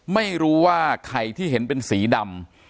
ไม่รู้ว่าไข่ที่เห็นเป็นสีดำ